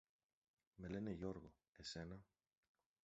Με λένε Γιώργο. Εσένα;